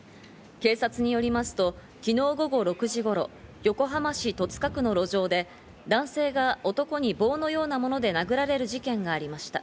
警察によりますと昨日午後６時頃、横浜市戸塚区の路上で男性が男に棒のようなもので殴られる事件がありました。